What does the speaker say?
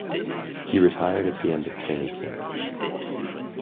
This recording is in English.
He retired at the end of training camp.